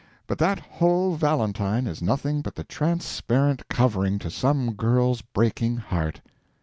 But that whole valentine is nothing but the transparent covering to some girl's breaking heart.